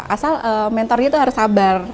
asal mentornya itu harus sabar